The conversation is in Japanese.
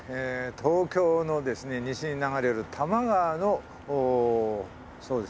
東京の西に流れる多摩川のそうですね